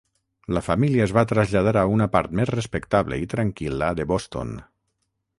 La família es va traslladar a una part més respectable i tranquil·la de Boston.